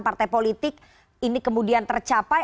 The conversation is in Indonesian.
partai politik ini kemudian tercapai